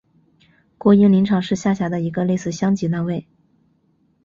国营林场是下辖的一个类似乡级单位。